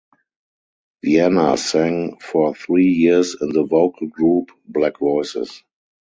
Vianna sang for three years in the vocal group Black Voices.